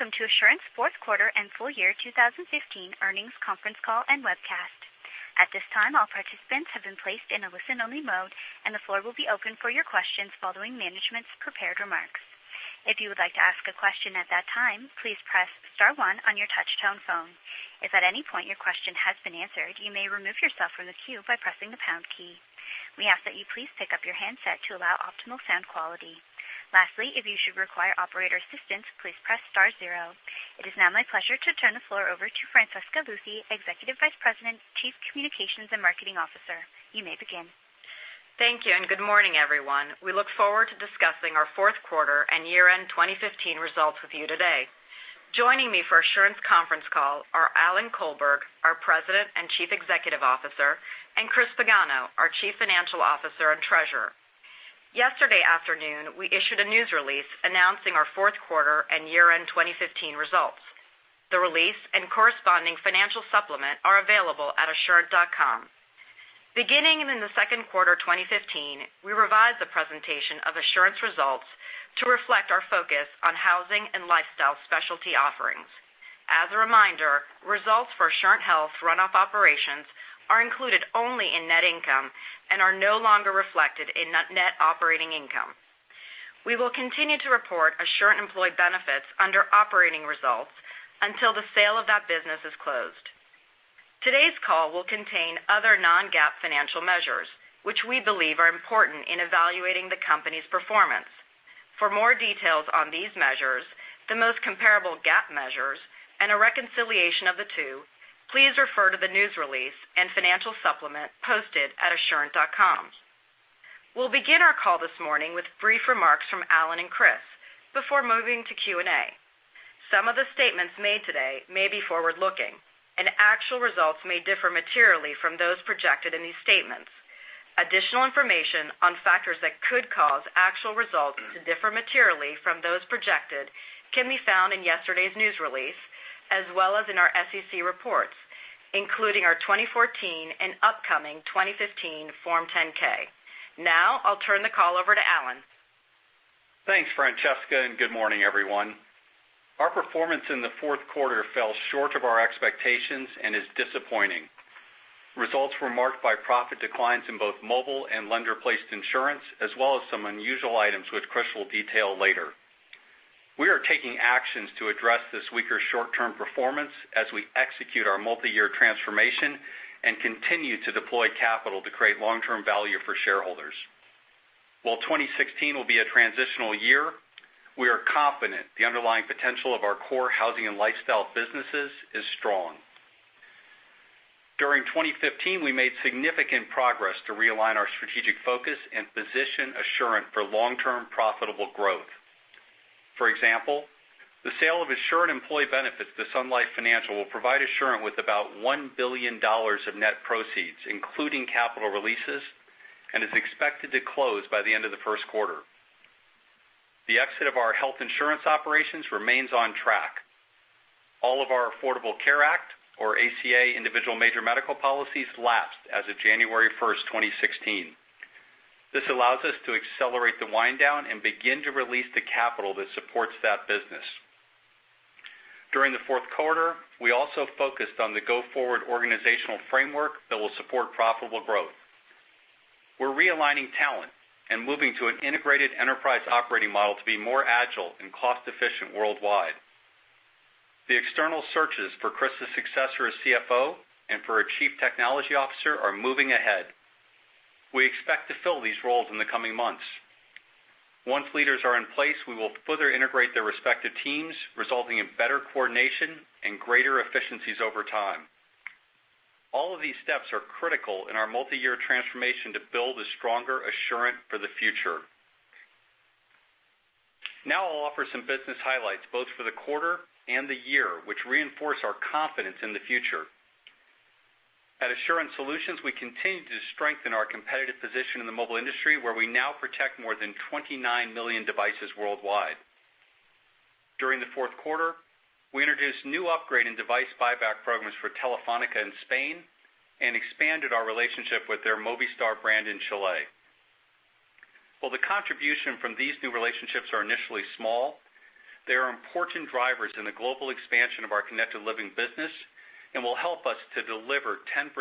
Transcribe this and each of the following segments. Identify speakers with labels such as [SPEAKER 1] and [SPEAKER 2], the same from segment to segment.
[SPEAKER 1] Welcome to Assurant's fourth quarter and full year 2015 earnings conference call and webcast. At this time, all participants have been placed in a listen-only mode, and the floor will be open for your questions following management's prepared remarks. If you would like to ask a question at that time, please press *1 on your touchtone phone. If at any point your question has been answered, you may remove yourself from the queue by pressing the # key. We ask that you please pick up your handset to allow optimal sound quality. Lastly, if you should require operator assistance, please press *0. It is now my pleasure to turn the floor over to Francesca Luthi, Executive Vice President, Chief Communications and Marketing Officer. You may begin.
[SPEAKER 2] Thank you, and good morning, everyone. We look forward to discussing our fourth quarter and year-end 2015 results with you today. Joining me for Assurant's conference call are Alan Colberg, our President and Chief Executive Officer, and Christopher Pagano, our Chief Financial Officer and Treasurer. Yesterday afternoon, we issued a news release announcing our fourth quarter and year-end 2015 results. The release and corresponding financial supplement are available at assurant.com. Beginning in the second quarter 2015, we revised the presentation of Assurant's results to reflect our focus on housing and lifestyle specialty offerings. As a reminder, results for Assurant Health runoff operations are included only in net income and are no longer reflected in net operating income. We will continue to report Assurant Employee Benefits under operating results until the sale of that business is closed. Today's call will contain other non-GAAP financial measures, which we believe are important in evaluating the company's performance. For more details on these measures, the most comparable GAAP measures, and a reconciliation of the two, please refer to the news release and financial supplement posted at assurant.com. We'll begin our call this morning with brief remarks from Alan and Chris before moving to Q&A. Some of the statements made today may be forward-looking, and actual results may differ materially from those projected in these statements. Additional information on factors that could cause actual results to differ materially from those projected can be found in yesterday's news release, as well as in our SEC reports, including our 2014 and upcoming 2015 Form 10-K. I'll turn the call over to Alan.
[SPEAKER 3] Thanks, Francesca, and good morning, everyone. Our performance in the fourth quarter fell short of our expectations and is disappointing. Results were marked by profit declines in both mobile and lender-placed insurance, as well as some unusual items which Chris will detail later. We are taking actions to address this weaker short-term performance as we execute our multi-year transformation and continue to deploy capital to create long-term value for shareholders. While 2016 will be a transitional year, we are confident the underlying potential of our core housing and lifestyle businesses is strong. During 2015, we made significant progress to realign our strategic focus and position Assurant for long-term profitable growth. For example, the sale of Assurant Employee Benefits to Sun Life Financial will provide Assurant with about $1 billion of net proceeds, including capital releases, and is expected to close by the end of the first quarter. The exit of our health insurance operations remains on track. All of our Affordable Care Act, or ACA, individual major medical policies lapsed as of January 1st, 2016. This allows us to accelerate the wind-down and begin to release the capital that supports that business. During the fourth quarter, we also focused on the go-forward organizational framework that will support profitable growth. We're realigning talent and moving to an integrated enterprise operating model to be more agile and cost-efficient worldwide. The external searches for Chris' successor as CFO and for a chief technology officer are moving ahead. We expect to fill these roles in the coming months. Once leaders are in place, we will further integrate their respective teams, resulting in better coordination and greater efficiencies over time. All of these steps are critical in our multi-year transformation to build a stronger Assurant for the future. Now I'll offer some business highlights, both for the quarter and the year, which reinforce our confidence in the future. At Assurant Solutions, we continue to strengthen our competitive position in the mobile industry, where we now protect more than 29 million devices worldwide. During the fourth quarter, we introduced new upgrade and device buyback programs for Telefónica in Spain and expanded our relationship with their Movistar brand in Chile. While the contribution from these new relationships are initially small, they are important drivers in the global expansion of our Connected Living business and will help us to deliver 10%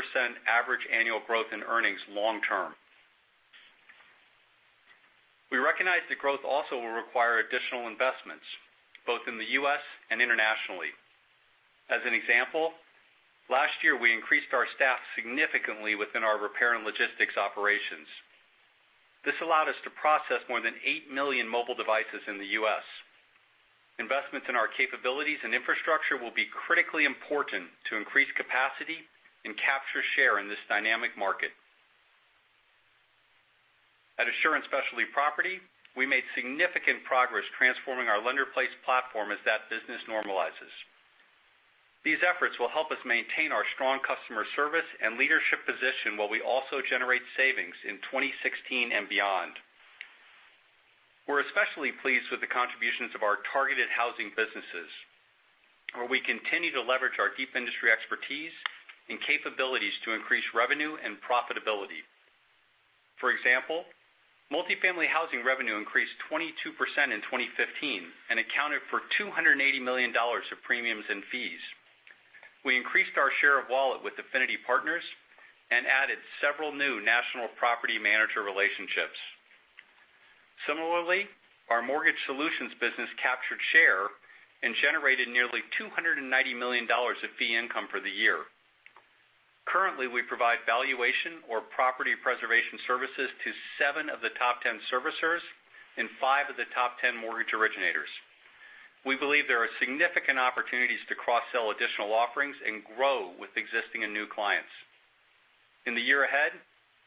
[SPEAKER 3] average annual growth in earnings long term. We recognize the growth also will require additional investments, both in the U.S. and internationally. As an example, last year, we increased our staff significantly within our repair and logistics operations. This allowed us to process more than eight million mobile devices in the U.S. Investments in our capabilities and infrastructure will be critically important to increase capacity and capture share in this dynamic market. At Assurant Specialty Property, we made significant progress transforming our lender-placed platform as that business normalizes. These efforts will help us maintain our strong customer service and leadership position while we also generate savings in 2016 and beyond. We're especially pleased with the contributions of our targeted housing businesses, where we continue to leverage our deep industry expertise and capabilities to increase revenue and profitability. For example, multifamily housing revenue increased 22% in 2015 and accounted for $280 million of premiums and fees. We increased our share of wallet with Affinity Partners and added several new national property manager relationships. Similarly, our mortgage solutions business captured share and generated nearly $290 million of fee income for the year. Currently, we provide valuation or property preservation services to seven of the top 10 servicers and five of the top 10 mortgage originators. We believe there are significant opportunities to cross-sell additional offerings and grow with existing and new clients. In the year ahead,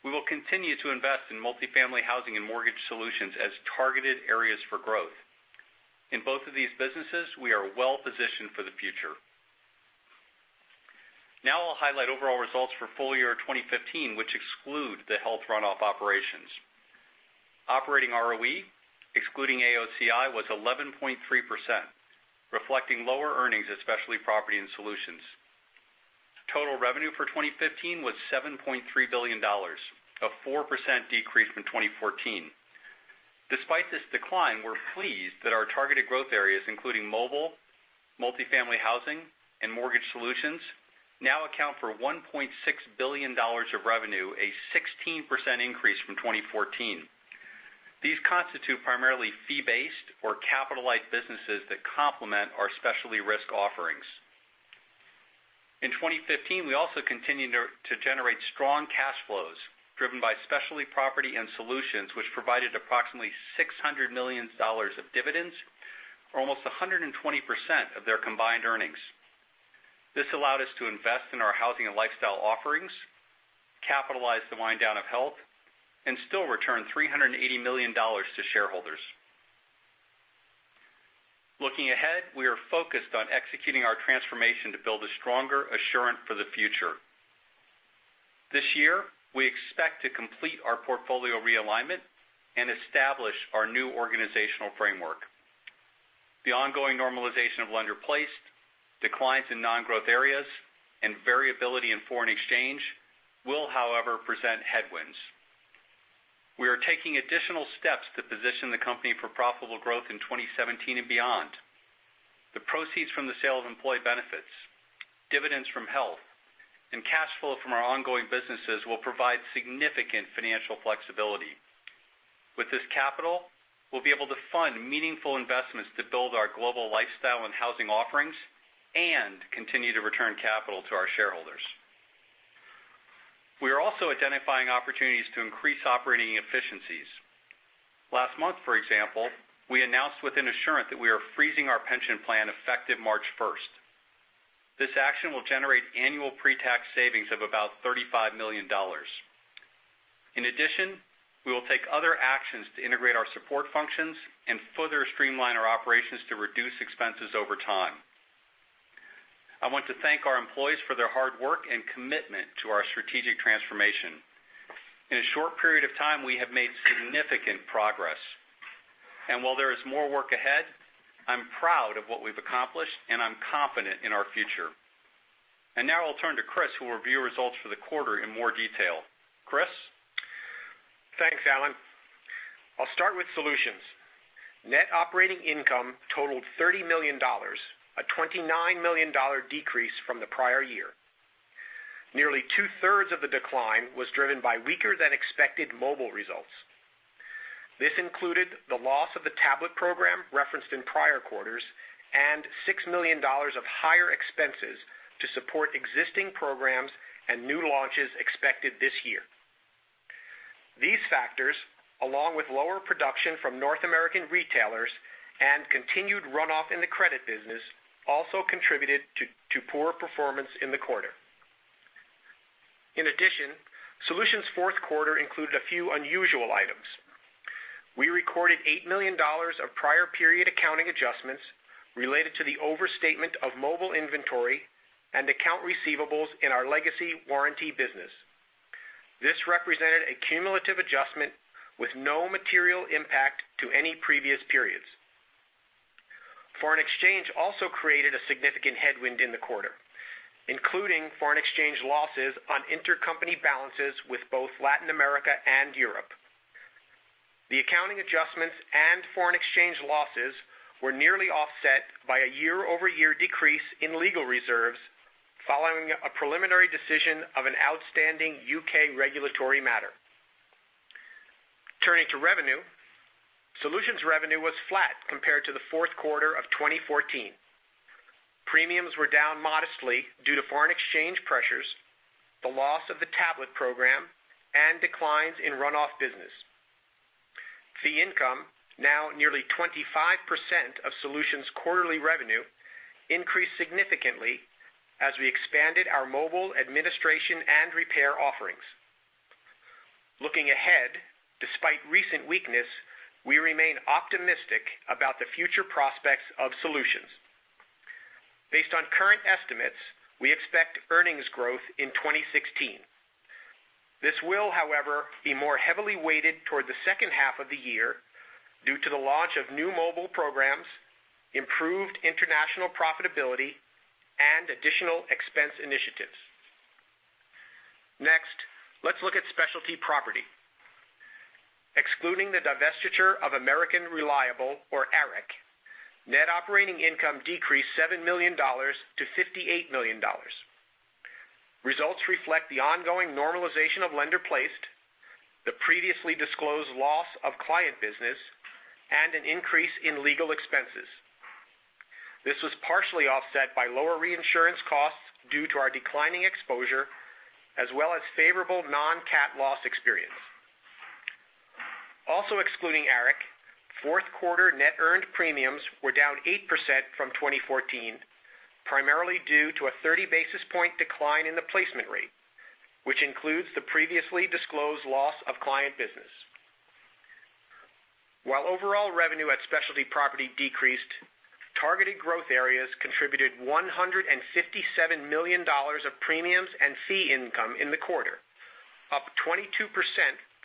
[SPEAKER 3] we will continue to invest in multifamily housing and mortgage solutions as targeted areas for growth. In both of these businesses, we are well positioned for the future. Now I'll highlight overall results for full year 2015, which exclude the health runoff operations. Operating ROE, excluding AOCI, was 11.3%, reflecting lower earnings, especially Property and Solutions. Total revenue for 2015 was $7.3 billion, a 4% decrease from 2014. Despite this decline, we're pleased that our targeted growth areas, including mobile, multifamily housing, and mortgage solutions, now account for $1.6 billion of revenue, a 16% increase from 2014. These constitute primarily fee-based or capitalized businesses that complement our specialty risk offerings. In 2015, we also continued to generate strong cash flows, driven by Specialty Property and Solutions, which provided approximately $600 million of dividends, or almost 120% of their combined earnings. This allowed us to invest in our housing and lifestyle offerings, capitalize the wind down of Health, and still return $380 million to shareholders. Looking ahead, we are focused on executing our transformation to build a stronger Assurant for the future. This year, we expect to complete our portfolio realignment and establish our new organizational framework. The ongoing normalization of lender-placed, declines in non-growth areas, and variability in foreign exchange will, however, present headwinds. We are taking additional steps to position the company for profitable growth in 2017 and beyond. The proceeds from the sale of Employee Benefits, dividends from Health, and cash flow from our ongoing businesses will provide significant financial flexibility. With this capital, we'll be able to fund meaningful investments to build our global lifestyle and housing offerings and continue to return capital to our shareholders. We are also identifying opportunities to increase operating efficiencies. Last month, for example, we announced within Assurant that we are freezing our pension plan effective March 1st. This action will generate annual pre-tax savings of about $35 million. In addition, we will take other actions to integrate our support functions and further streamline our operations to reduce expenses over time. I want to thank our employees for their hard work and commitment to our strategic transformation. In a short period of time, we have made significant progress. While there is more work ahead, I'm proud of what we've accomplished, and I'm confident in our future. Now I'll turn to Chris, who will review results for the quarter in more detail. Chris?
[SPEAKER 4] Thanks, Alan. I'll start with Solutions. Net Operating Income totaled $30 million, a $29 million decrease from the prior year. Nearly two-thirds of the decline was driven by weaker-than-expected mobile results. This included the loss of the tablet program referenced in prior quarters and $6 million of higher expenses to support existing programs and new launches expected this year. These factors, along with lower production from North American retailers and continued runoff in the credit business, also contributed to poor performance in the quarter. In addition, Solutions' fourth quarter included a few unusual items. We recorded $8 million of prior period accounting adjustments related to the overstatement of mobile inventory and accounts receivables in our legacy warranty business. This represented a cumulative adjustment with no material impact to any previous periods. Foreign exchange also created a significant headwind in the quarter, including foreign exchange losses on intercompany balances with both Latin America and Europe. The accounting adjustments and foreign exchange losses were nearly offset by a year-over-year decrease in legal reserves following a preliminary decision of an outstanding U.K. regulatory matter. Turning to revenue, Solutions revenue was flat compared to the fourth quarter of 2014. Premiums were down modestly due to foreign exchange pressures, the loss of the tablet program, and declines in runoff business. Fee income, now nearly 25% of Solutions' quarterly revenue, increased significantly as we expanded our mobile administration and repair offerings. Looking ahead, despite recent weakness, we remain optimistic about the future prospects of Solutions. Based on current estimates, we expect earnings growth in 2016. This will, however, be more heavily weighted toward the second half of the year due to the launch of new mobile programs, improved international profitability. Additional expense initiatives. Next, let's look at Specialty Property. Excluding the divestiture of American Reliable, or ARIC, net operating income decreased $7 million to $58 million. Results reflect the ongoing normalization of lender-placed, the previously disclosed loss of client business, and an increase in legal expenses. This was partially offset by lower reinsurance costs due to our declining exposure, as well as favorable non-cat loss experience. Also excluding ARIC, fourth quarter net earned premiums were down 8% from 2014, primarily due to a 30-basis-point decline in the placement rate, which includes the previously disclosed loss of client business. While overall revenue at Specialty Property decreased, targeted growth areas contributed $157 million of premiums and fee income in the quarter, up 22%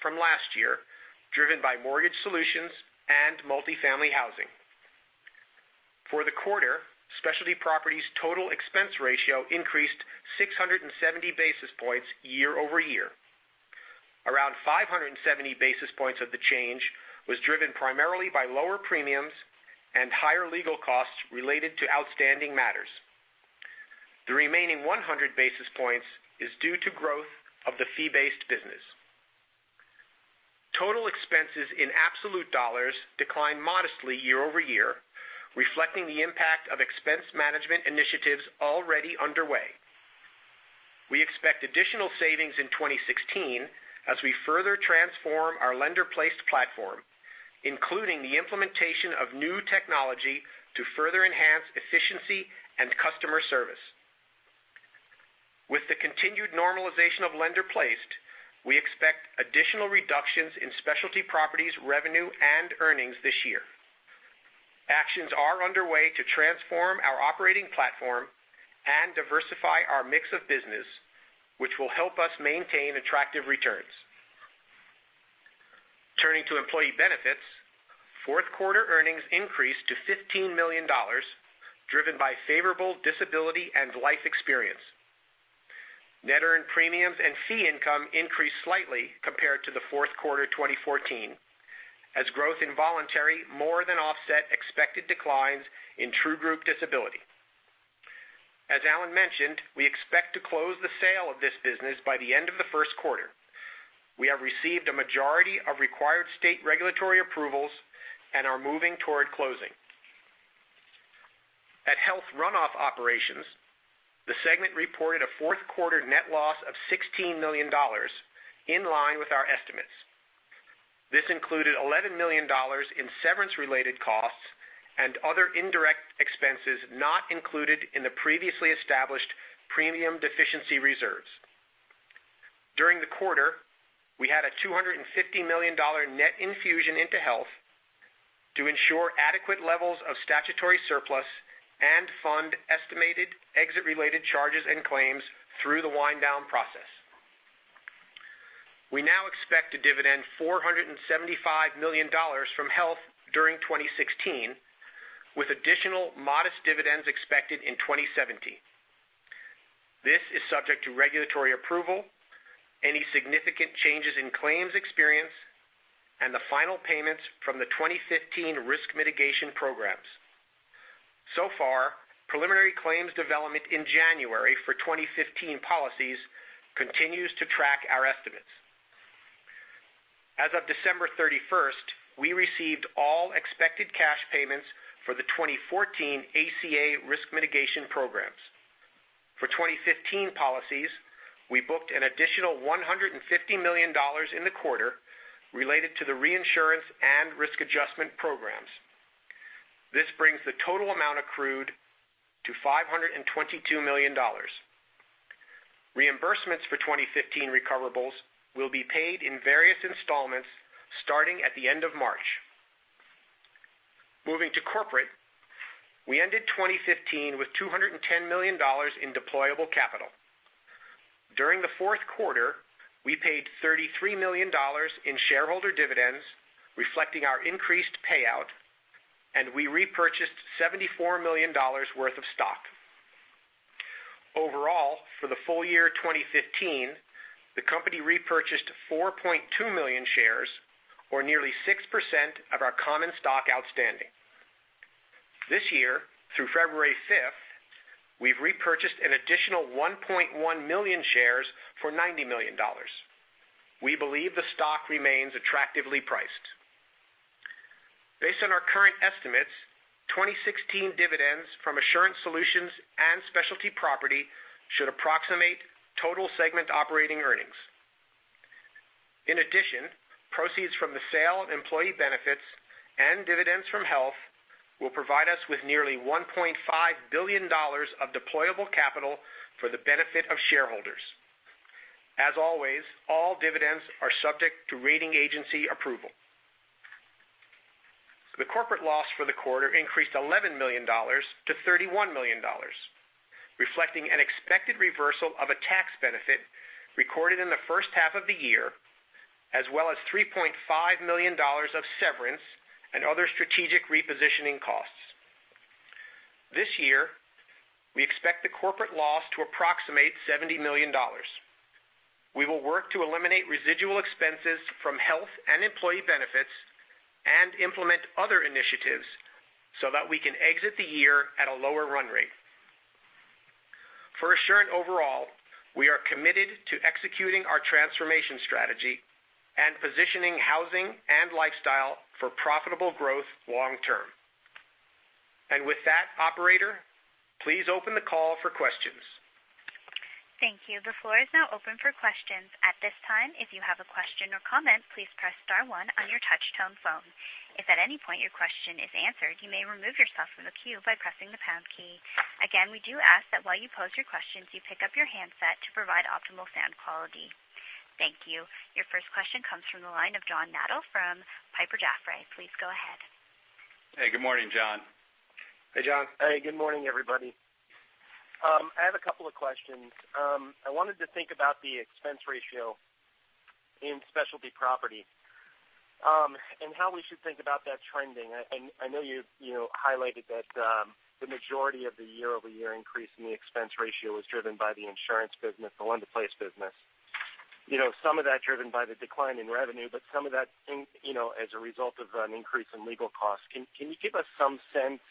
[SPEAKER 4] from last year, driven by mortgage solutions and multifamily housing. For the quarter, Specialty Property's total expense ratio increased 670 basis points year-over-year. Around 570 basis points of the change was driven primarily by lower premiums and higher legal costs related to outstanding matters. The remaining 100 basis points is due to growth of the fee-based business. Total expenses in absolute dollars declined modestly year-over-year, reflecting the impact of expense management initiatives already underway. We expect additional savings in 2016 as we further transform our lender-placed platform, including the implementation of new technology to further enhance efficiency and customer service. With the continued normalization of lender-placed, we expect additional reductions in Specialty Property's revenue and earnings this year. Actions are underway to transform our operating platform and diversify our mix of business, which will help us maintain attractive returns. Turning to Employee Benefits, fourth quarter earnings increased to $15 million, driven by favorable disability and life experience. Net earned premiums and fee income increased slightly compared to the fourth quarter 2014, as growth in voluntary more than offset expected declines in true group disability. As Alan mentioned, we expect to close the sale of this business by the end of the first quarter. We have received a majority of required state regulatory approvals and are moving toward closing. At Health runoff operations, the segment reported a fourth quarter net loss of $16 million, in line with our estimates. This included $11 million in severance-related costs and other indirect expenses not included in the previously established premium deficiency reserves. During the quarter, we had a $250 million net infusion into Health to ensure adequate levels of statutory surplus and fund estimated exit-related charges and claims through the wind-down process. We now expect to dividend $475 million from Health during 2016, with additional modest dividends expected in 2017. This is subject to regulatory approval, any significant changes in claims experience, and the final payments from the 2015 risk mitigation programs. Preliminary claims development in January for 2015 policies continues to track our estimates. As of December 31st, we received all expected cash payments for the 2014 ACA Risk Mitigation programs. For 2015 policies, we booked an additional $150 million in the quarter related to the reinsurance and risk adjustment programs. This brings the total amount accrued to $522 million. Reimbursements for 2015 recoverables will be paid in various installments starting at the end of March. Moving to Corporate, we ended 2015 with $210 million in deployable capital. During the fourth quarter, we paid $33 million in shareholder dividends, reflecting our increased payout, and we repurchased $74 million worth of stock. Overall, for the full year 2015, the company repurchased 4.2 million shares, or nearly 6% of our common stock outstanding. This year, through February 5th, we've repurchased an additional 1.1 million shares for $90 million. We believe the stock remains attractively priced. Based on our current estimates, 2016 dividends from Assurant Solutions and Assurant Specialty Property should approximate total segment operating earnings. In addition, proceeds from the sale of Employee Benefits and dividends from Health will provide us with nearly $1.5 billion of deployable capital for the benefit of shareholders. As always, all dividends are subject to rating agency approval. The Corporate loss for the quarter increased $11 million to $31 million, reflecting an expected reversal of a tax benefit recorded in the first half of the year. As well as $3.5 million of severance and other strategic repositioning costs. This year, we expect the Corporate loss to approximate $70 million. We will work to eliminate residual expenses from Health and Employee Benefits and implement other initiatives so that we can exit the year at a lower run rate. For Assurant overall, we are committed to executing our transformation strategy and positioning housing and lifestyle for profitable growth long term. With that, operator, please open the call for questions.
[SPEAKER 1] Thank you. The floor is now open for questions. At this time, if you have a question or comment, please press star one on your touch-tone phone. If at any point your question is answered, you may remove yourself from the queue by pressing the pound key. Again, we do ask that while you pose your questions, you pick up your handset to provide optimal sound quality. Thank you. Your first question comes from the line of John Nadel from Piper Jaffray. Please go ahead.
[SPEAKER 3] Hey, good morning, John.
[SPEAKER 4] Hey, John.
[SPEAKER 5] Hey, good morning, everybody. I have a couple of questions. I wanted to think about the expense ratio in Specialty Property, and how we should think about that trending. I know you highlighted that the majority of the year-over-year increase in the expense ratio was driven by the insurance business, the lender-placed business. Some of that driven by the decline in revenue, but some of that as a result of an increase in legal costs. Can you give us some sense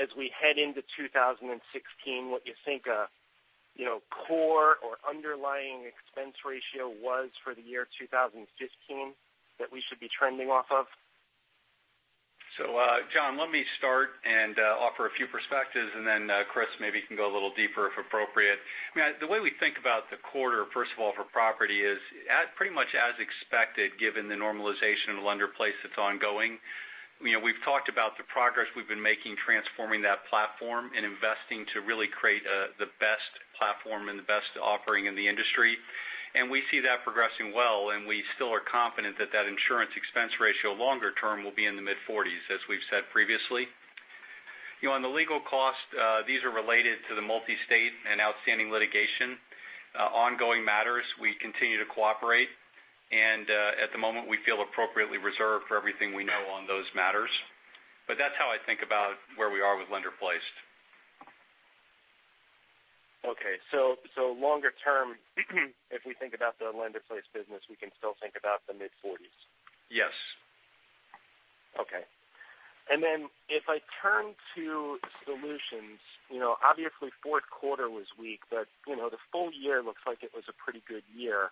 [SPEAKER 5] as we head into 2016, what you think a core or underlying expense ratio was for the year 2015 that we should be trending off of?
[SPEAKER 3] John, let me start and offer a few perspectives, and then Chris, maybe you can go a little deeper if appropriate. The way we think about the quarter, first of all, for Property is pretty much as expected given the normalization of lender-placed that's ongoing. We've talked about the progress we've been making transforming that platform and investing to really create the best platform and the best offering in the industry. We see that progressing well, and we still are confident that that insurance expense ratio longer term will be in the mid-40s, as we've said previously. On the legal cost, these are related to the multi-state and outstanding litigation ongoing matters. We continue to cooperate, and at the moment we feel appropriately reserved for everything we know on those matters. That's how I think about where we are with lender-placed.
[SPEAKER 5] Okay. Longer term, if we think about the lender-placed business, we can still think about the mid-40s.
[SPEAKER 3] Yes.
[SPEAKER 5] Okay. Then if I turn to Solutions, obviously fourth quarter was weak, but the full year looks like it was a pretty good year.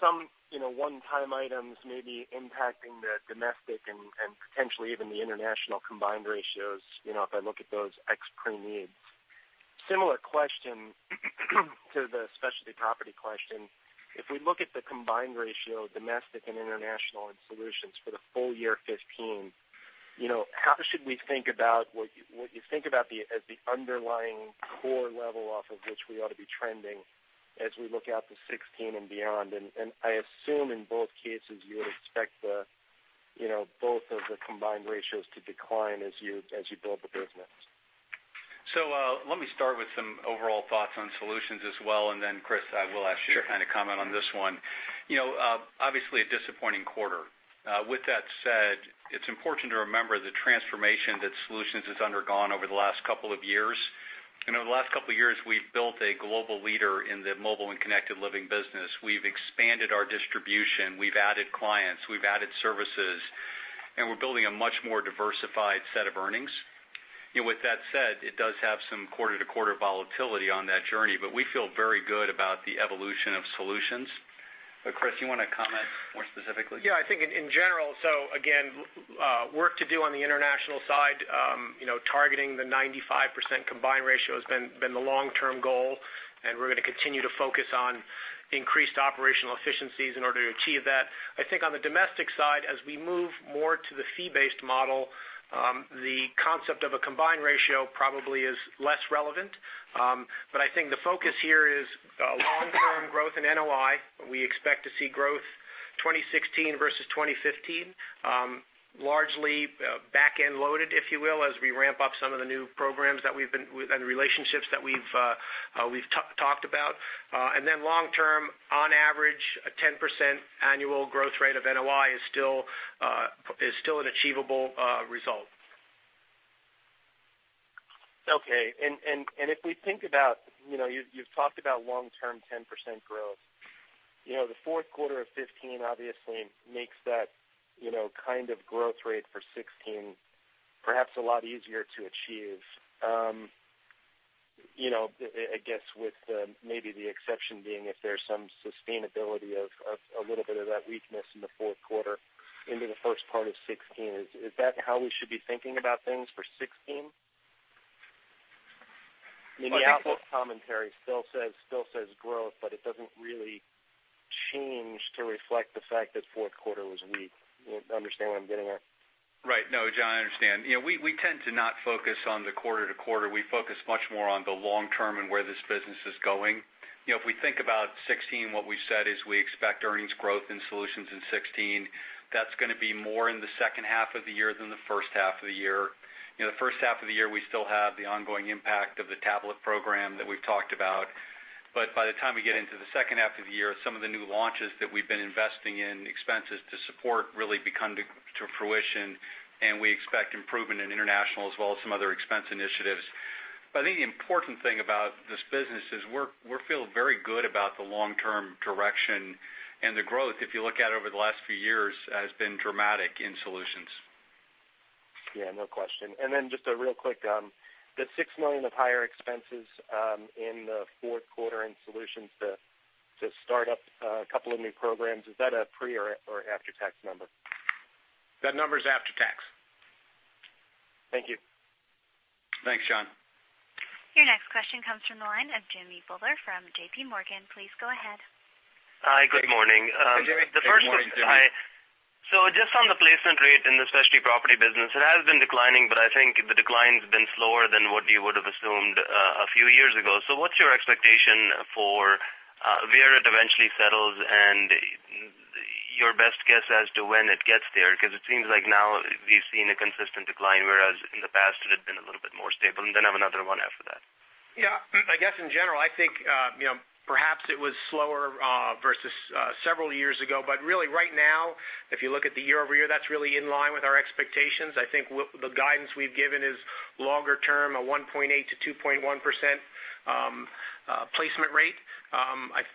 [SPEAKER 5] Some one-time items may be impacting the domestic and potentially even the international combined ratios, if I look at those ex pre-needs. Similar question to the Specialty Property question. If we look at the combined ratio of domestic and international and Solutions for the full year 2015, how should we think about what you think about as the underlying core level off of which we ought to be trending as we look out to 2016 and beyond? I assume in both cases, you would expect both of the combined ratios to decline as you build the business.
[SPEAKER 3] Let me start with some overall thoughts on Solutions as well, and then Chris, I will ask you to comment on this one. Obviously a disappointing quarter. With that said, it's important to remember the transformation that Solutions has undergone over the last couple of years. Over the last couple of years, we've built a global leader in the mobile and Connected Living business. We've expanded our distribution, we've added clients, we've added services, and we're building a much more diversified set of earnings. With that said, it does have some quarter-to-quarter volatility on that journey, but we feel very good about the evolution of Solutions. Chris, you want to comment more specifically?
[SPEAKER 4] Yeah, I think in general. Again, work to do on the international side. Targeting the 95% combined ratio has been the long-term goal, and we're going to continue to focus on increased operational efficiencies in order to achieve that. I think on the domestic side, as we move more to the fee-based model, the concept of a combined ratio probably is less relevant. I think the focus here is long-term growth in NOI. We expect to see growth 2016 versus 2015, largely back-end loaded, if you will, as we ramp up some of the new programs and relationships that we've talked about. Long term, on average, a 10% annual growth rate of NOI is still an achievable result.
[SPEAKER 5] Okay. If we think about, you've talked about long-term 10% growth. The fourth quarter of 2015 obviously makes that kind of growth rate for 2016 perhaps a lot easier to achieve. I guess with maybe the exception being if there's some sustainability of a little bit of that weakness in the fourth quarter into the first part of 2016. Is that how we should be thinking about things for 2016? I mean, the outlook commentary still says growth, but it doesn't really change to reflect the fact that fourth quarter was weak. You understand what I'm getting at?
[SPEAKER 3] Right. No, John, I understand. We tend to not focus on the quarter to quarter. We focus much more on the long term and where this business is going. If we think about 2016, what we've said is we expect earnings growth in Solutions in 2016. That's going to be more in the second half of the year than the first half of the year. The first half of the year, we still have the ongoing impact of the tablet program that we've talked about
[SPEAKER 4] By the time we get into the second half of the year, some of the new launches that we've been investing in expenses to support really come to fruition, and we expect improvement in international as well as some other expense initiatives. I think the important thing about this business is we feel very good about the long-term direction, and the growth, if you look at over the last few years, has been dramatic in Solutions.
[SPEAKER 5] Yeah, no question. Just real quick, the $6 million of higher expenses in the fourth quarter in Assurant Solutions to start up a couple of new programs, is that a pre or after-tax number?
[SPEAKER 4] That number is after tax.
[SPEAKER 5] Thank you.
[SPEAKER 4] Thanks, John.
[SPEAKER 1] Your next question comes from the line of Jimmy Bhullar from JPMorgan. Please go ahead.
[SPEAKER 6] Hi, good morning.
[SPEAKER 4] Hey, Jimmy. Good morning, Jimmy.
[SPEAKER 6] Just on the placement rate in the specialty property business, it has been declining, but I think the decline's been slower than what you would have assumed a few years ago. What's your expectation for where it eventually settles and your best guess as to when it gets there? Because it seems like now we've seen a consistent decline, whereas in the past it had been a little bit more stable. Then I have another one after that.
[SPEAKER 4] Yeah. I guess in general, I think perhaps it was slower versus several years ago. Really right now, if you look at the year-over-year, that's really in line with our expectations. I think the guidance we've given is longer term, a 1.8%-2.1% placement rate.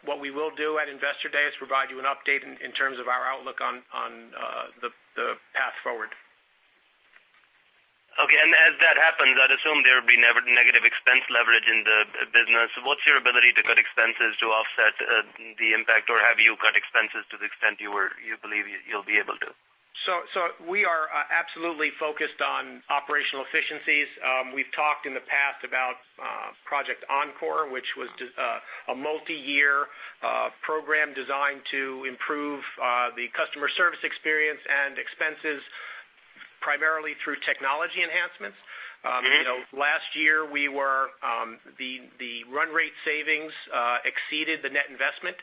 [SPEAKER 4] What we will do at Investor Day is provide you an update in terms of our outlook on the path forward.
[SPEAKER 6] Okay. As that happens, I'd assume there would be negative expense leverage in the business. What's your ability to cut expenses to offset the impact? Have you cut expenses to the extent you believe you'll be able to?
[SPEAKER 4] We are absolutely focused on operational efficiencies. We've talked in the past about Project Encore, which was a multi-year program designed to improve the customer service experience and expenses primarily through technology enhancements.
[SPEAKER 3] Last year, the run rate savings exceeded the net investment.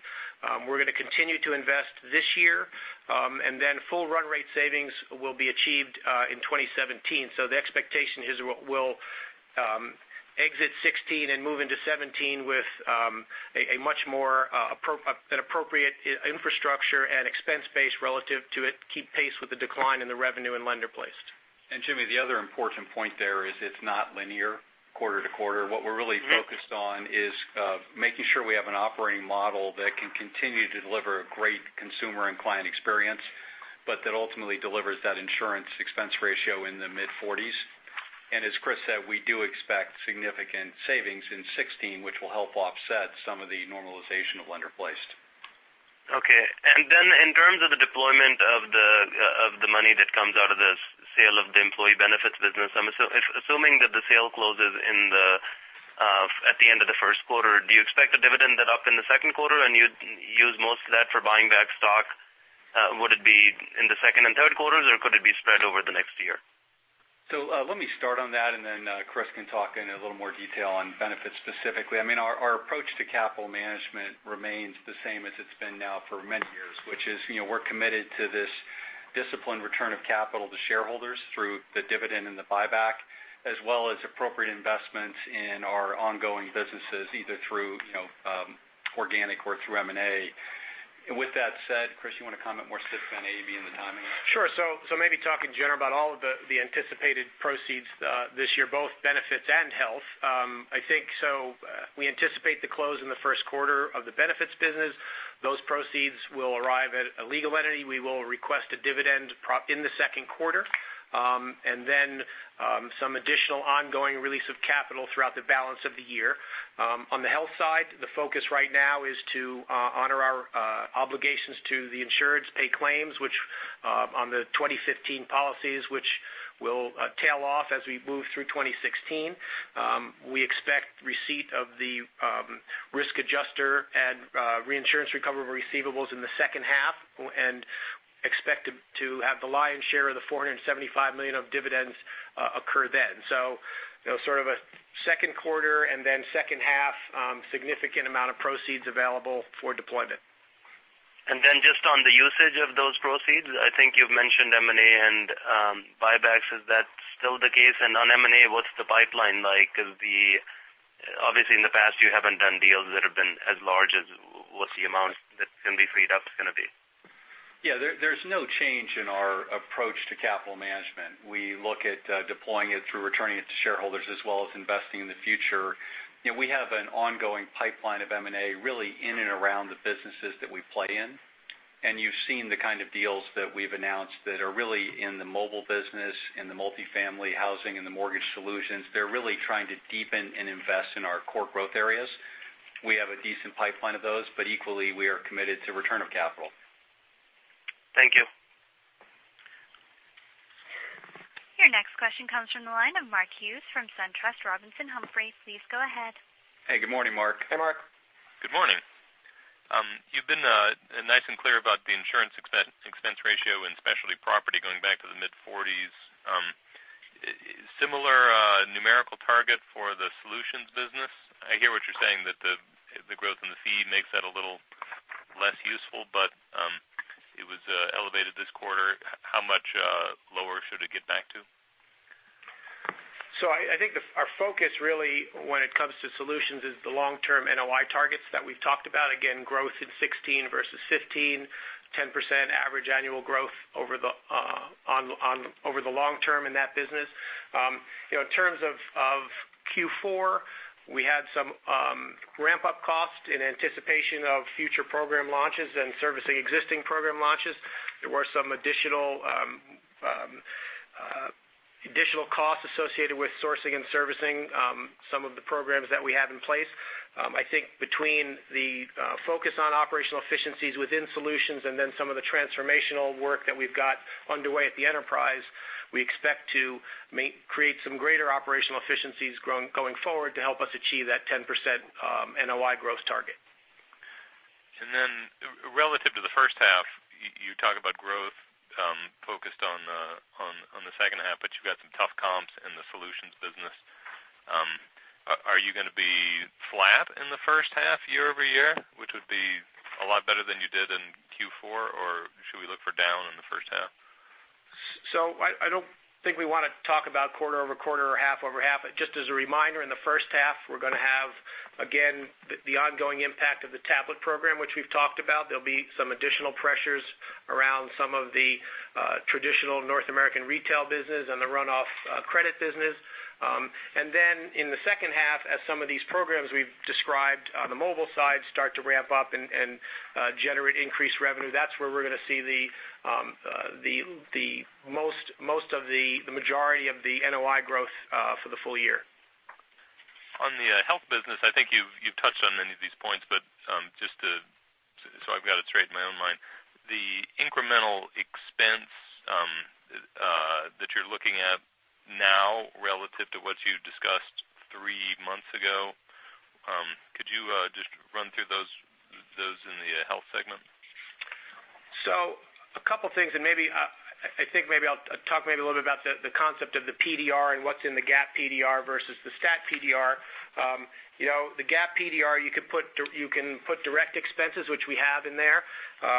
[SPEAKER 3] We're going to continue to invest this year, full run rate savings will be achieved in 2017. The expectation is we'll exit 2016 and move into 2017 with a much more appropriate infrastructure and expense base relative to it, keep pace with the decline in the revenue and lender-placed. Jimmy, the other important point there is it's not linear quarter-to-quarter. What we're really focused on is making sure we have an operating model that can continue to deliver a great consumer and client experience, but that ultimately delivers that insurance expense ratio in the mid-40s. As Chris said, we do expect significant savings in 2016, which will help offset some of the normalization of lender-placed.
[SPEAKER 6] Okay. In terms of the deployment of the money that comes out of the sale of the Employee Benefits business, assuming that the sale closes at the end of the first quarter, do you expect a dividend that up in the second quarter and you'd use most of that for buying back stock? Would it be in the second and third quarters, or could it be spread over the next year?
[SPEAKER 4] Let me start on that and then Chris can talk in a little more detail on Benefits specifically. Our approach to capital management remains the same as it's been now for many years, which is we're committed to this disciplined return of capital to shareholders through the dividend and the buyback, as well as appropriate investments in our ongoing businesses, either through organic or through M&A. With that said, Chris, you want to comment more specifically on AllianceBernstein and the timing? Sure. Maybe talk in general about all of the anticipated proceeds this year, both Benefits and Health. I think we anticipate the close in the first quarter of the Benefits business. Those proceeds will arrive at a legal entity. We will request a dividend in the second quarter, and then some additional ongoing release of capital throughout the balance of the year. On the Health side, the focus right now is to honor our obligations to the insureds, pay claims on the 2015 policies, which will tail off as we move through 2016. We expect receipt of the risk adjuster and reinsurance recovery of receivables in the second half and expect to have the lion's share of the $475 million of dividends occur then. Sort of a second quarter and then second half significant amount of proceeds available for deployment.
[SPEAKER 3] Just on the usage of those proceeds, I think you've mentioned M&A and buybacks. Is that still the case? On M&A, what's the pipeline like? Obviously, in the past, you haven't done deals that have been as large as what the amount that can be freed up is going to be. Yeah, there's no change in our approach to capital management. We look at deploying it through returning it to shareholders as well as investing in the future. We have an ongoing pipeline of M&A really in and around the businesses that we play in, and you've seen the kind of deals that we've announced that are really in the mobile business, in the multifamily housing, and the mortgage solutions. They're really trying to deepen and invest in our core growth areas. We have a decent pipeline of those, but equally, we are committed to return of capital.
[SPEAKER 6] Thank you.
[SPEAKER 1] Your next question comes from the line of Mark Hughes from SunTrust Robinson Humphrey. Please go ahead.
[SPEAKER 3] Hey, good morning, Mark.
[SPEAKER 4] Hey, Mark.
[SPEAKER 7] Good morning. You've been nice and clear about the insurance expense ratio in Assurant Specialty Property going back to the mid-40s. Similar numerical target for the Assurant Solutions business? I hear what you're saying that the growth in the fee makes that a little less useful, but it was elevated this quarter. How much lower should it get back to?
[SPEAKER 4] I think our focus really when it comes to Assurant Solutions is the long-term NOI targets that we've talked about. Again, growth in 2016 versus 2015, 10% average annual growth over the long term in that business. In terms of Q4, we had some ramp-up costs in anticipation of future program launches and servicing existing program launches. There were some additional costs associated with sourcing and servicing some of the programs that we have in place. I think between the focus on operational efficiencies within Assurant Solutions and then some of the transformational work that we've got underway at the enterprise, we expect to create some greater operational efficiencies going forward to help us achieve that 10% NOI growth target.
[SPEAKER 7] Relative to the first half, you talk about growth focused on the second half, you've got some tough comps in the Assurant Solutions business. Are you going to be flat in the first half year-over-year, which would be a lot better than you did in Q4? Should we look for down in the first half?
[SPEAKER 3] I don't think we want to talk about quarter-over-quarter or half-over-half. Just as a reminder, in the first half, we're going to have, again, the ongoing impact of the tablet program, which we've talked about. There'll be some additional pressures around some of the traditional North American retail business and the runoff credit business. In the second half, as some of these programs we've described on the mobile side start to ramp up and generate increased revenue, that's where we're going to see most of the majority of the NOI growth for the full year.
[SPEAKER 7] On the health business, I think you've touched on many of these points, but just so I've got it straight in my own mind, the incremental expense that you're looking at now relative to what you discussed three months ago, could you just run through those in the health segment?
[SPEAKER 4] A couple of things, I think maybe I'll talk a little bit about the concept of the PDR and what's in the GAAP PDR versus the stat PDR. The GAAP PDR, you can put direct expenses, which we have in there.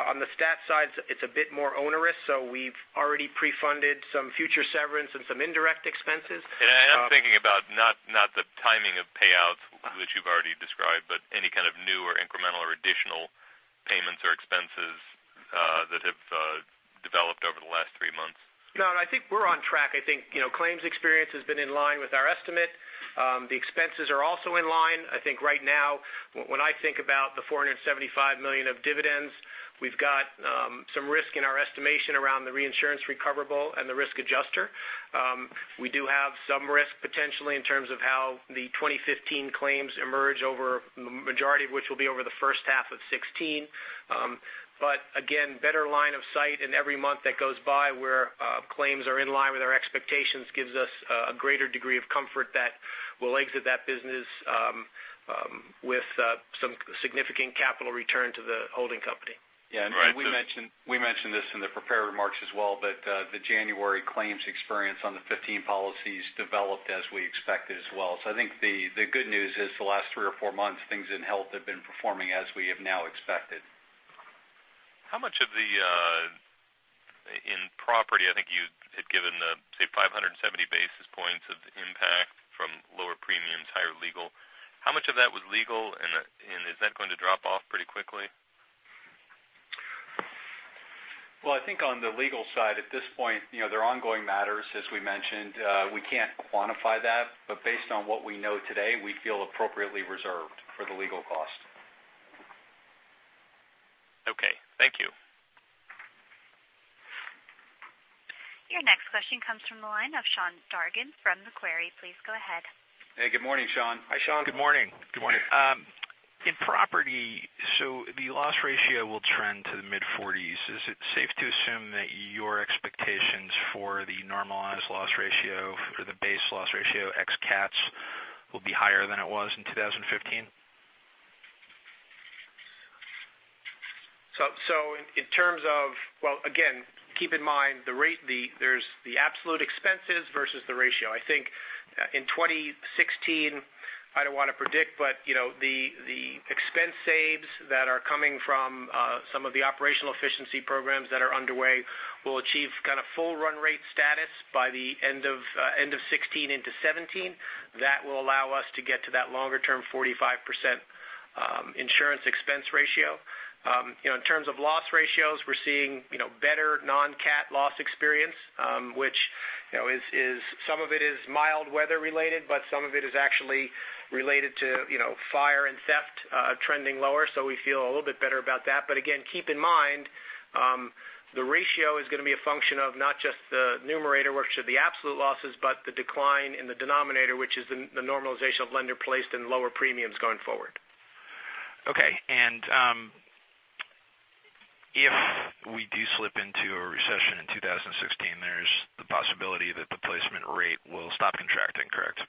[SPEAKER 4] On the stat side, it's a bit more onerous. We've already pre-funded some future severance and some indirect expenses.
[SPEAKER 7] I am thinking about not the timing of payouts, which you've already described, but any kind of new or incremental or additional payments or expenses that have developed over the last three months.
[SPEAKER 4] No, I think we're on track. I think claims experience has been in line with our estimate. The expenses are also in line. I think right now, when I think about the $475 million of dividends, we've got some risk in our estimation around the reinsurance recoverable and the risk adjuster. We do have some risk potentially in terms of how the 2015 claims emerge over, majority of which will be over the first half of 2016. Again, better line of sight and every month that goes by where claims are in line with our expectations gives us a greater degree of comfort that we'll exit that business with some significant capital return to the holding company.
[SPEAKER 7] Yeah. Right.
[SPEAKER 4] We mentioned this in the prepared remarks as well, but the January claims experience on the 2015 policies developed as we expected as well. I think the good news is the last three or four months, things in health have been performing as we have now expected. How much of the, in property, I think you had given the, say, 570 basis points of impact from lower premiums, higher legal. How much of that was legal, and is that going to drop off pretty quickly?
[SPEAKER 3] I think on the legal side, at this point, there are ongoing matters, as we mentioned. We can't quantify that, based on what we know today, we feel appropriately reserved for the legal cost.
[SPEAKER 7] Okay. Thank you.
[SPEAKER 1] Your next question comes from the line of Sean Dargan from Macquarie. Please go ahead.
[SPEAKER 4] Hey, good morning, Sean.
[SPEAKER 3] Hi, Sean.
[SPEAKER 8] Good morning. Good morning. In property, the loss ratio will trend to the mid-40s%. Is it safe to assume that your expectations for the normalized loss ratio for the base loss ratio ex cats will be higher than it was in 2015?
[SPEAKER 4] In terms of, again, keep in mind there's the absolute expenses versus the ratio. I think in 2016, I don't want to predict. The expense saves that are coming from some of the operational efficiency programs that are underway will achieve kind of full run rate status by the end of 2016 into 2017. That will allow us to get to that longer-term 45% insurance expense ratio. In terms of loss ratios, we're seeing better non-cat loss experience, which some of it is mild weather related, but some of it is actually related to fire and theft trending lower. We feel a little bit better about that. Again, keep in mind, the ratio is going to be a function of not just the numerator, which are the absolute losses, but the decline in the denominator, which is the normalization of lender-placed and lower premiums going forward.
[SPEAKER 8] Okay. If we do slip into a recession in 2016, there's the possibility that the placement rate will stop contracting, correct?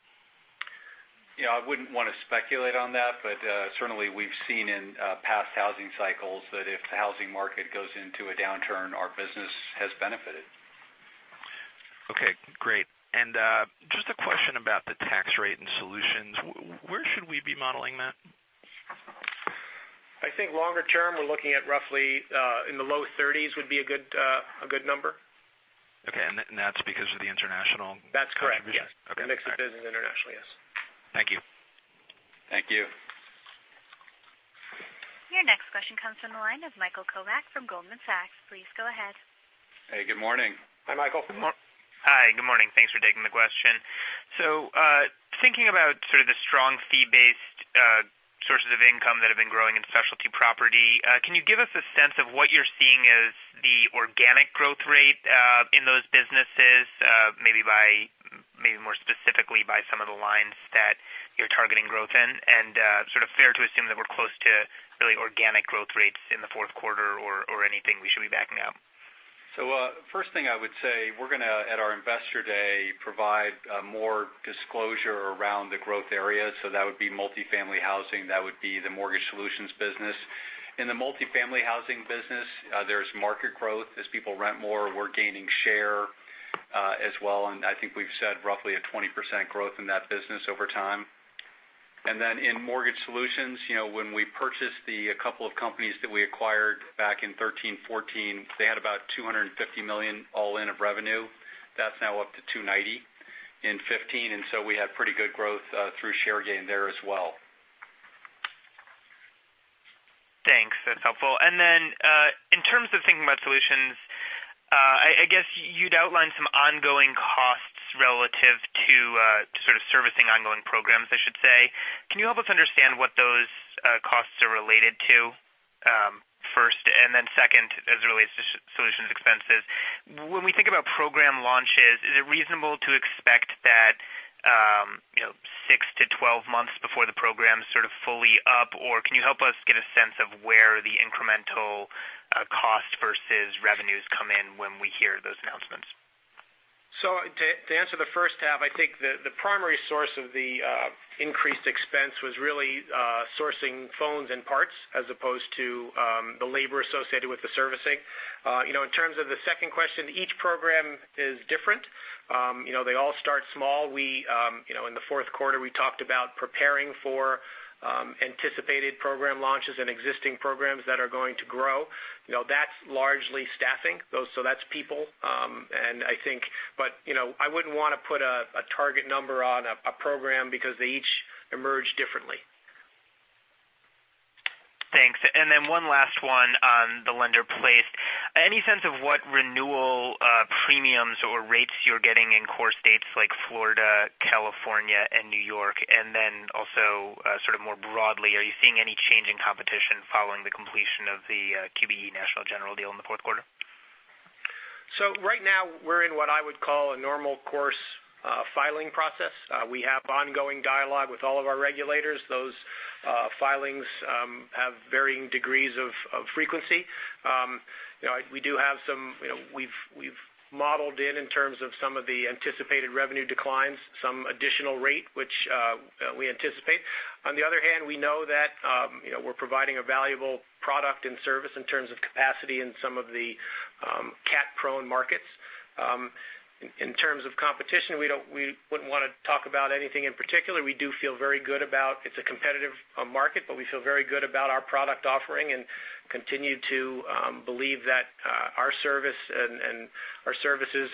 [SPEAKER 3] Yeah, I wouldn't want to speculate on that. Certainly we've seen in past housing cycles that if the housing market goes into a downturn, our business has benefited.
[SPEAKER 8] Okay, great. You modeling that?
[SPEAKER 4] I think longer term, we're looking at roughly in the low 30s would be a good number.
[SPEAKER 8] Okay. That's because of the international-
[SPEAKER 4] That's correct. Yes.
[SPEAKER 8] Okay. The mix of business internationally, yes. Thank you.
[SPEAKER 4] Thank you.
[SPEAKER 1] Your next question comes from the line of Michael Kovac from Goldman Sachs. Please go ahead.
[SPEAKER 9] Hey, good morning.
[SPEAKER 4] Hi, Michael.
[SPEAKER 9] Hi, good morning. Thanks for taking the question. Thinking about sort of the strong fee-based sources of income that have been growing in Assurant Specialty Property, can you give us a sense of what you're seeing as the organic growth rate in those businesses, maybe more specifically by some of the lines that you're targeting growth in? Is sort of fair to assume that we're close to really organic growth rates in the fourth quarter or anything we should be backing out?
[SPEAKER 4] First thing I would say, we're going to, at our Investor Day, provide more disclosure around the growth areas. That would be multifamily housing, that would be the mortgage solutions business. In the multifamily housing business, there's market growth. As people rent more, we're gaining share as well. I think we've said roughly a 20% growth in that business over time. In mortgage solutions, when we purchased the couple of companies that we acquired back in 2013, 2014, they had about $250 million all-in of revenue. That's now up to $290 in 2015. We had pretty good growth through share gain there as well.
[SPEAKER 9] Thanks. That's helpful. In terms of thinking about Assurant Solutions, I guess you'd outlined some ongoing costs relative to sort of servicing ongoing programs, I should say. Can you help us understand what those costs are related to, first, and then second, as it relates to Assurant Solutions expenses. When we think about program launches, is it reasonable to expect that 6-12 months before the program's sort of fully up, or can you help us get a sense of where the incremental cost versus revenues come in when we hear those announcements?
[SPEAKER 4] To answer the first half, I think the primary source of the increased expense was really sourcing phones and parts as opposed to the labor associated with the servicing. In terms of the second question, each program is different. They all start small. In the fourth quarter, we talked about preparing for anticipated program launches and existing programs that are going to grow. That's largely staffing, so that's people. I wouldn't want to put a target number on a program because they each emerge differently.
[SPEAKER 9] Thanks. Then one last one on the lender-placed. Any sense of what renewal premiums or rates you're getting in core states like Florida, California, and New York? Also sort of more broadly, are you seeing any change in competition following the completion of the QBE National General deal in the fourth quarter?
[SPEAKER 4] Right now we're in what I would call a normal course filing process. We have ongoing dialogue with all of our regulators. Those filings have varying degrees of frequency. We've modeled in terms of some of the anticipated revenue declines, some additional rate which we anticipate. On the other hand, we know that we're providing a valuable product and service in terms of capacity in some of the cat-prone markets. In terms of competition, we wouldn't want to talk about anything in particular. We do feel very good about it's a competitive market, but we feel very good about our product offering and continue to believe that our services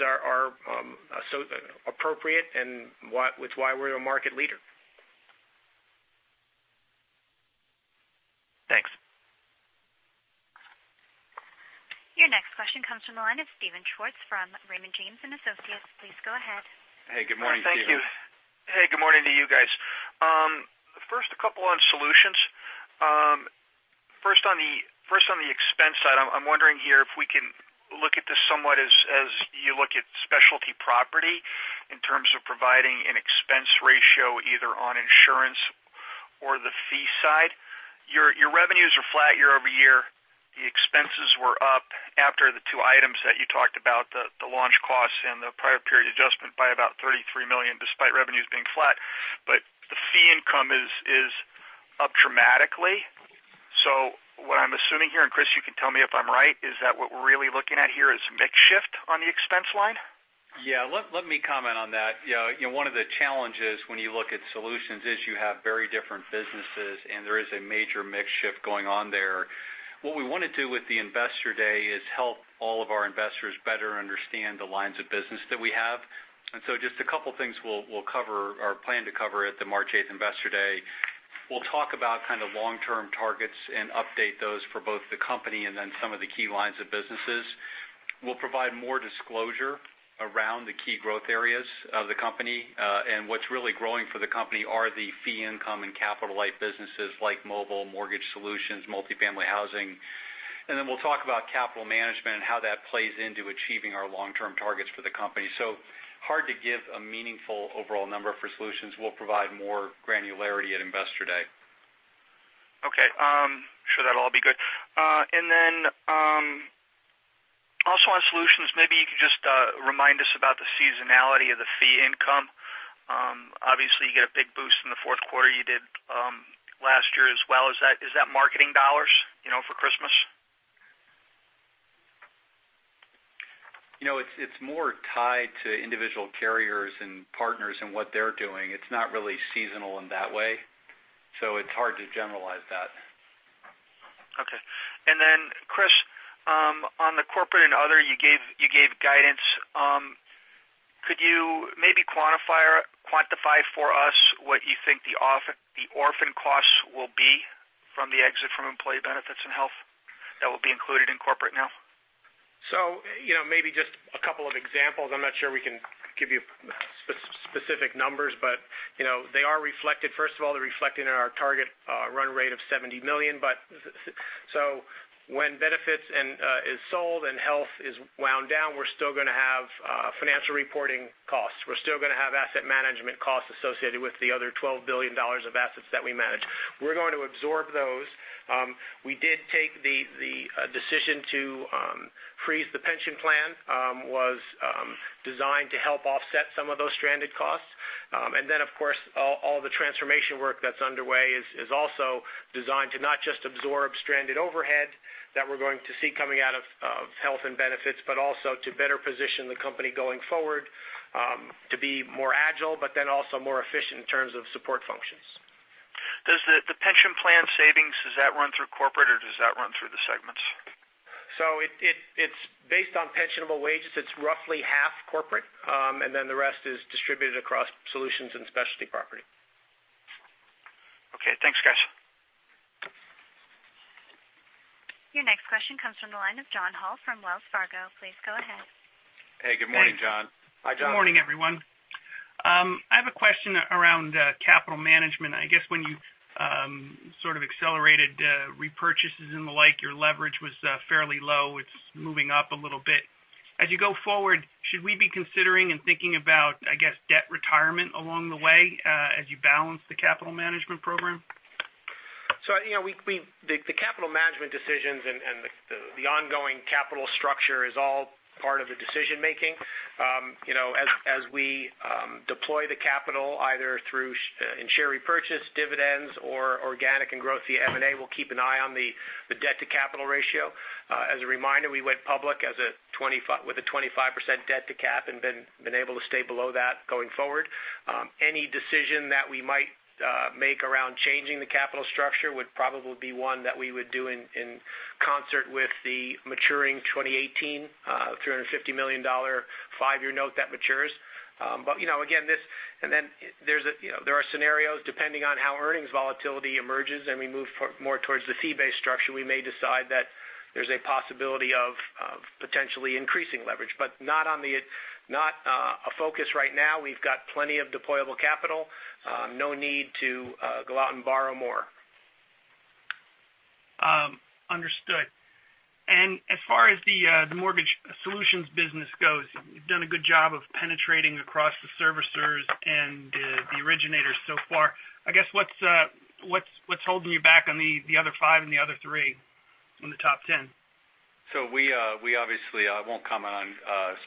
[SPEAKER 4] are appropriate, which is why we're a market leader.
[SPEAKER 9] Thanks.
[SPEAKER 1] Your next question comes from the line of Steven Schwartz from Raymond James & Associates. Please go ahead.
[SPEAKER 3] Hey, good morning, Steven.
[SPEAKER 10] Thank you. Hey, good morning to you guys. First, a couple on Assurant Solutions. First on the expense side, I'm wondering here if we can look at this somewhat as you look at Assurant Specialty Property in terms of providing an expense ratio either on insurance or the fee side. Your revenues are flat year-over-year. The expenses were up after the two items that you talked about, the launch costs and the prior period adjustment by about $33 million despite revenues being flat. The fee income is up dramatically. What I'm assuming here, and Chris, you can tell me if I'm right, is that what we're really looking at here is mix shift on the expense line?
[SPEAKER 4] Yeah, let me comment on that. One of the challenges when you look at Assurant Solutions is you have very different businesses, there is a major mix shift going on there. What we want to do with the Investor Day is help all of our investors better understand the lines of business that we have. Just a couple things we'll cover or plan to cover at the March 8th Investor Day. We'll talk about kind of long-term targets and update those for both the company and then some of the key lines of businesses. We'll provide more disclosure around the key growth areas of the company. What's really growing for the company are the fee income and capital-light businesses like mobile, mortgage solutions, multifamily housing. Then we'll talk about capital management and how that plays into achieving our long-term targets for the company. Hard to give a meaningful overall number for Assurant Solutions. We'll provide more granularity at Investor Day.
[SPEAKER 10] Okay. I'm sure that'll all be good. Also on solutions, maybe you could just remind us about the seasonality of the fee income. Obviously, you get a big boost in the fourth quarter. You did last year as well. Is that marketing dollars for Christmas?
[SPEAKER 4] It's more tied to individual carriers and partners and what they're doing. It's not really seasonal in that way, so it's hard to generalize that.
[SPEAKER 10] Okay. Chris, on the corporate and other, you gave guidance. Could you maybe quantify for us what you think the orphan costs will be from the exit from employee benefits and health that will be included in corporate now?
[SPEAKER 4] Maybe just a couple of examples. I'm not sure we can give you specific numbers, but they are reflected. First of all, they're reflected in our target run rate of $70 million. When benefits is sold and health is wound down, we're still going to have financial reporting costs. We're still going to have asset management costs associated with the other $12 billion of assets that we manage. We're going to absorb those. We did take the decision to freeze the pension plan, was designed to help offset some of those stranded costs. Of course, all the transformation work that's underway is also designed to not just absorb stranded overhead that we're going to see coming out of health and benefits, but then also to better position the company going forward, to be more agile, but then also more efficient in terms of support functions.
[SPEAKER 10] Does the pension plan savings, does that run through corporate or does that run through the segments?
[SPEAKER 4] It's based on pensionable wages. It's roughly half corporate, and then the rest is distributed across Solutions and Specialty Property.
[SPEAKER 10] Okay. Thanks, guys.
[SPEAKER 1] Your next question comes from the line of John Hall from Wells Fargo. Please go ahead.
[SPEAKER 4] Hey, good morning, John.
[SPEAKER 11] Hi, John. Good morning, everyone. I have a question around capital management. I guess when you accelerated repurchases and the like, your leverage was fairly low. It's moving up a little bit. As you go forward, should we be considering and thinking about, I guess, debt retirement along the way as you balance the capital management program?
[SPEAKER 4] The capital management decisions and the ongoing capital structure is all part of the decision making. As we deploy the capital, either through in share repurchase dividends or organic and growth via M&A, we'll keep an eye on the debt to capital ratio. As a reminder, we went public with a 25% debt to cap and been able to stay below that going forward. Any decision that we might make around changing the capital structure would probably be one that we would do in concert with the maturing 2018 $350 million five-year note that matures. There are scenarios depending on how earnings volatility emerges, and we move more towards the fee-based structure. We may decide that there's a possibility of potentially increasing leverage, but not a focus right now. We've got plenty of deployable capital. No need to go out and borrow more.
[SPEAKER 11] Understood. As far as the Mortgage Solutions business goes, you've done a good job of penetrating across the servicers and the originators so far. I guess what's holding you back on the other five and the other three on the top 10?
[SPEAKER 3] We obviously won't comment on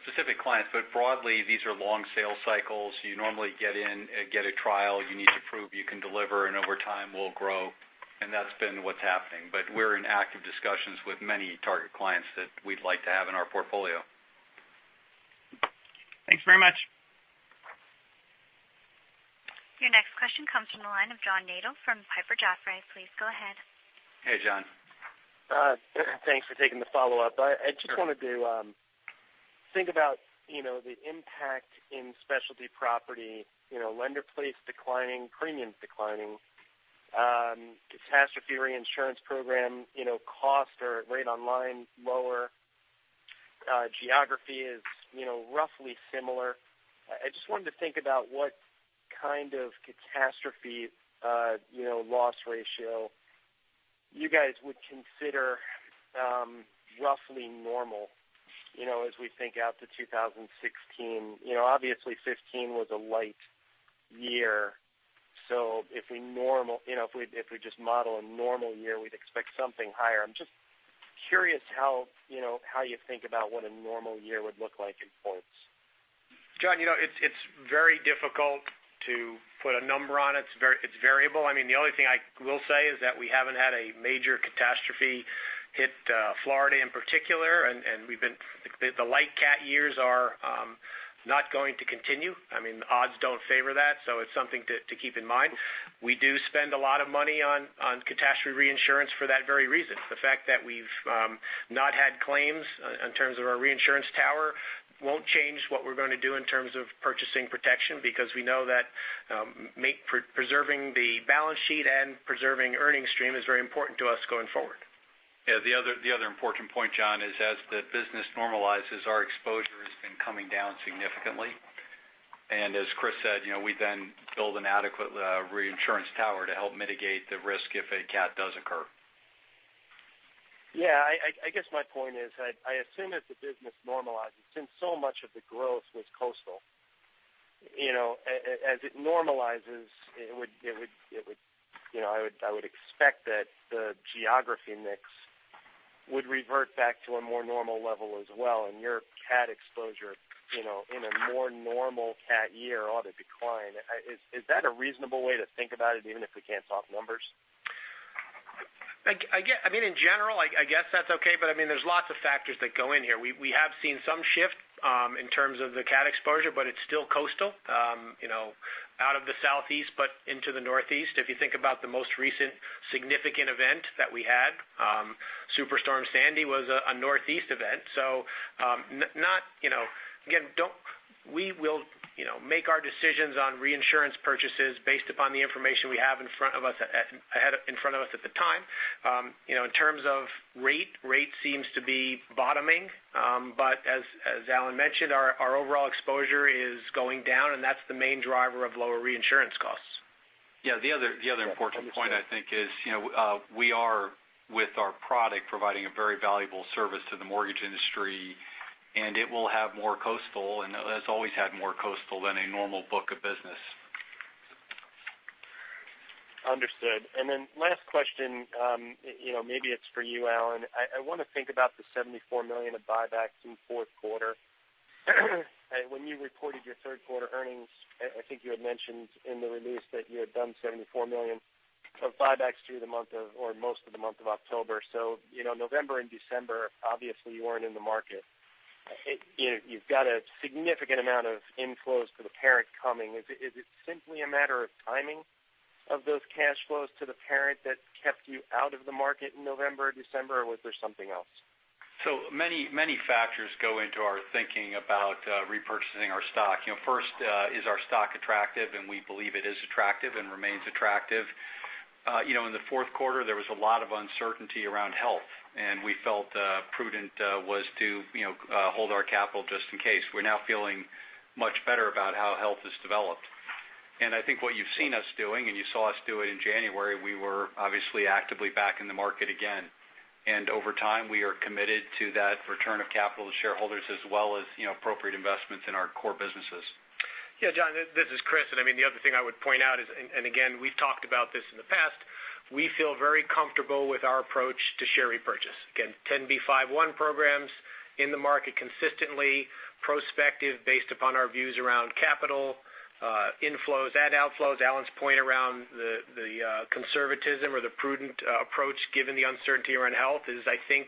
[SPEAKER 3] specific clients, but broadly, these are long sales cycles. You normally get in, get a trial, you need to prove you can deliver, and over time we'll grow. That's been what's happening. We're in active discussions with many target clients that we'd like to have in our portfolio.
[SPEAKER 11] Thanks very much.
[SPEAKER 1] Your next question comes from the line of John Nadel from Piper Jaffray. Please go ahead.
[SPEAKER 4] Hey, John.
[SPEAKER 5] Thanks for taking the follow-up. I just wanted to think about the impact in Assurant Specialty Property, lender-placed declining, premiums declining, catastrophe reinsurance program costs are rate on line lower. Geography is roughly similar. I just wanted to think about what kind of catastrophe loss ratio you guys would consider roughly normal as we think out to 2016. Obviously, 2015 was a light year. If we just model a normal year, we'd expect something higher. I'm just curious how you think about what a normal year would look like in quotes.
[SPEAKER 4] John, it's very difficult to put a number on it. It's variable. The only thing I will say is that we haven't had a major catastrophe hit Florida in particular, and the light cat years are not going to continue. Odds don't favor that. It's something to keep in mind. We do spend a lot of money on catastrophe reinsurance for that very reason. The fact that we've not had claims in terms of our reinsurance tower won't change what we're going to do in terms of purchasing protection, because we know that preserving the balance sheet and preserving earnings stream is very important to us going forward.
[SPEAKER 3] Yeah, the other important point, John, is as the business normalizes, our exposure has been coming down significantly. As Chris said, we then build an adequate reinsurance tower to help mitigate the risk if a cat does occur.
[SPEAKER 5] Yeah, I guess my point is, I assume as the business normalizes, since so much of the growth was coastal, as it normalizes, I would expect that the geography mix would revert back to a more normal level as well. Your cat exposure in a more normal cat year ought to decline. Is that a reasonable way to think about it, even if we can't talk numbers?
[SPEAKER 4] I mean, in general, I guess that's okay, there's lots of factors that go in here. We have seen some shift in terms of the cat exposure, but it's still coastal out of the southeast but into the northeast. If you think about the most recent significant event that we had, Superstorm Sandy was a northeast event. We will make our decisions on reinsurance purchases based upon the information we have in front of us at the time. In terms of rate seems to be bottoming. As Alan mentioned, our overall exposure is going down, and that's the main driver of lower reinsurance costs.
[SPEAKER 3] Yeah. The other important point, I think is, we are with our product providing a very valuable service to the mortgage industry, it will have more coastal, has always had more coastal than a normal book of business.
[SPEAKER 5] Understood. Then last question, maybe it's for you, Alan. I want to think about the $74 million of buybacks in fourth quarter. When you reported your third-quarter earnings, I think you had mentioned in the release that you had done $74 million of buybacks through the month or most of the month of October. November and December, obviously you weren't in the market. You've got a significant amount of inflows to the parent coming. Is it simply a matter of timing of those cash flows to the parent that kept you out of the market in November or December, or was there something else?
[SPEAKER 3] Many factors go into our thinking about repurchasing our stock. First, is our stock attractive. We believe it is attractive and remains attractive. In the fourth quarter, there was a lot of uncertainty around health. We felt prudent was to hold our capital just in case. We're now feeling much better about how health has developed. I think what you've seen us doing, and you saw us do it in January, we were obviously actively back in the market again. Over time, we are committed to that return of capital to shareholders as well as appropriate investments in our core businesses.
[SPEAKER 4] John, this is Chris. The other thing I would point out is, we've talked about this in the past, we feel very comfortable with our approach to share repurchase. Again, 10b5-1 programs in the market consistently, prospective based upon our views around capital inflows and outflows. Alan's point around the conservatism or the prudent approach given the uncertainty around health is, I think,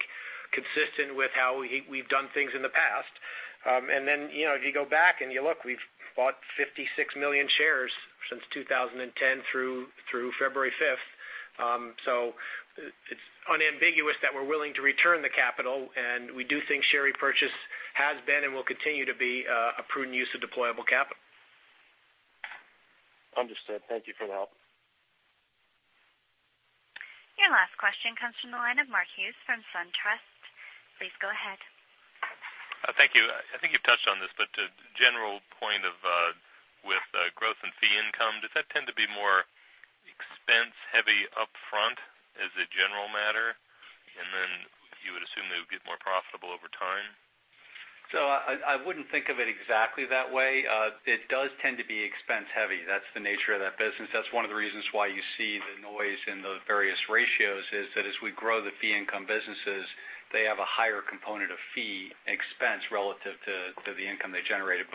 [SPEAKER 4] consistent with how we've done things in the past. If you go back and you look, we've bought 56 million shares since 2010 through February 5th. It's unambiguous that we're willing to return the capital. We do think share repurchase has been and will continue to be a prudent use of deployable capital.
[SPEAKER 5] Understood. Thank you for the help.
[SPEAKER 1] Your last question comes from the line of Mark Hughes from SunTrust. Please go ahead.
[SPEAKER 7] Thank you. I think you've touched on this, but general point of with growth and fee income, does that tend to be more expense-heavy upfront as a general matter? You would assume that it would get more profitable over time?
[SPEAKER 3] I wouldn't think of it exactly that way. It does tend to be expense-heavy. That's the nature of that business. That's one of the reasons why you see the noise in those various ratios, is that as we grow the fee income businesses, they have a higher component of fee expense relative to the income they generated.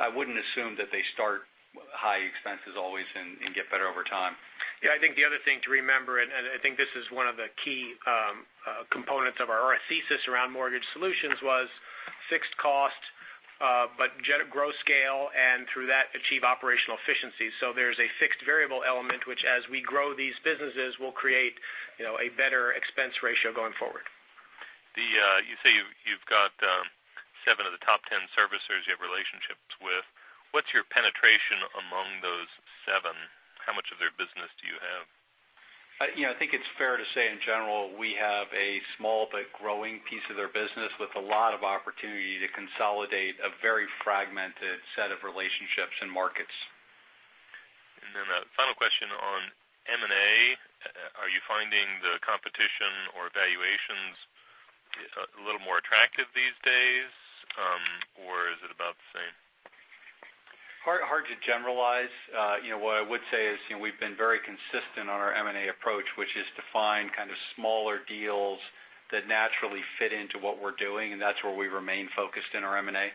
[SPEAKER 3] I wouldn't assume that they start high expenses always and get better over time.
[SPEAKER 4] I think the other thing to remember, and I think this is one of the key components of our thesis around mortgage solutions, was fixed cost but grow scale and through that achieve operational efficiency. There's a fixed variable element, which as we grow these businesses will create a better expense ratio going forward.
[SPEAKER 7] You say you've got seven of the top 10 servicers you have relationships with. What's your penetration among those seven? How much of their business do you have?
[SPEAKER 3] I think it's fair to say, in general, we have a small but growing piece of their business with a lot of opportunity to consolidate a very fragmented set of relationships and markets.
[SPEAKER 7] A final question on M&A. Are you finding the competition or evaluations a little more attractive these days? Or is it about the same?
[SPEAKER 3] Hard to generalize. What I would say is we've been very consistent on our M&A approach, which is to find kind of smaller deals that naturally fit into what we're doing, and that's where we remain focused in our M&A.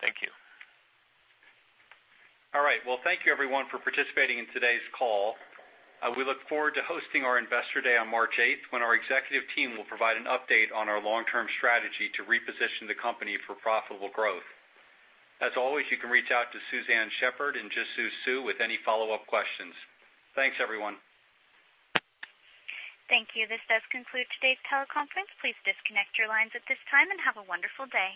[SPEAKER 7] Thank you.
[SPEAKER 3] All right. Well, thank you everyone for participating in today's call. We look forward to hosting our Investor Day on March 8th, when our executive team will provide an update on our long-term strategy to reposition the company for profitable growth. As always, you can reach out to Suzanne Shepherd and Jisoo Suh with any follow-up questions. Thanks, everyone.
[SPEAKER 1] Thank you. This does conclude today's teleconference. Please disconnect your lines at this time and have a wonderful day.